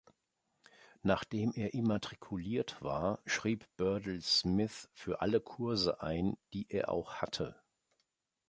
Nachdem er immatrikuliert war, schrieb Burdell Smith für alle Kurse ein, die er auch hatte.